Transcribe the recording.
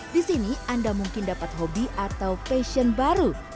di sini anda mungkin dapat hobi atau passion baru